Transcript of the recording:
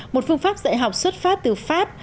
một phương pháp dạy học xuất phát từ pháp